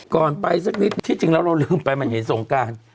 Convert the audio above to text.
ก่อนไปสักนิดที่จริงแล้วเราลืมไปมันเห็นสงการ